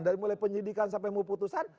dari mulai penyidikan sampai mau putusan